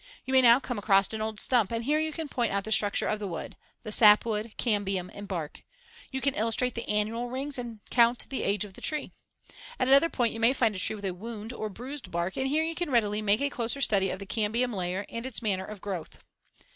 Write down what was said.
You may now come across an old stump and here you can point out the structure of the wood the sapwood, cambium and bark. You can illustrate the annual rings and count the age of the tree. At another point you may find a tree with a wound or bruised bark and here you can readily make a closer study of the cambium layer and its manner of growth.